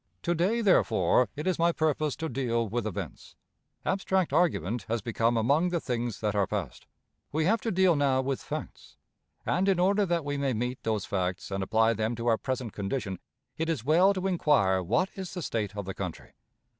To day, therefore, it is my purpose to deal with events. Abstract argument has become among the things that are past. We have to deal now with facts; and, in order that we may meet those facts and apply them to our present condition, it is well to inquire what is the state of the country.